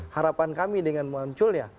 harapan kami dengan munculnya